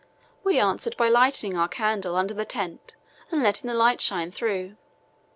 We answered by lighting our candle under the tent and letting the light shine through.